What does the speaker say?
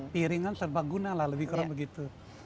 piringan serba guna lah lebih kurang begitu